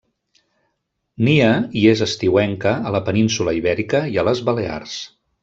Nia i és estiuenca a la península Ibèrica i a les Balears.